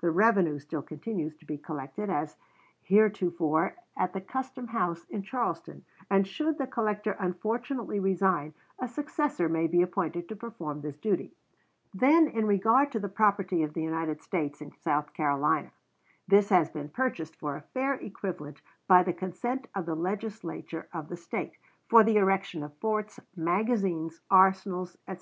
The revenue still continues to be collected as heretofore at the custom house in Charleston, and should the collector unfortunately resign, a successor may be appointed to perform this duty." "Mr. Buchanan's Administration," p. 126. "Then in regard to the property of the United States in South Carolina. This has been purchased for a fair equivalent 'by the consent of the Legislature of the State,' 'for the erection of forts, magazines, arsenals,' etc.